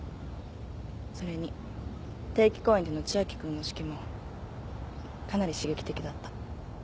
それに定期公演での千秋君の指揮もかなり刺激的だった。